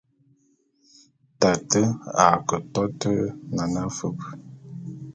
Tate a té ke tôt nane afúp.